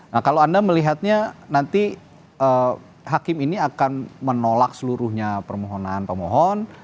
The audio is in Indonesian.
nah kalau anda melihatnya nanti hakim ini akan menolak seluruhnya permohonan pemohon